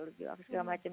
terus segala macem